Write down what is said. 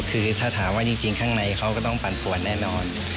คือถ้าถามว่าจริงข้างในเขาก็ต้องปั่นปวดแน่นอน